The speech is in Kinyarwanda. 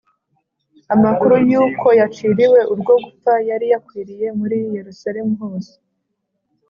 amakuru y’uko yaciriwe urwo gupfa yari yakwiriye muri yerusalemu hose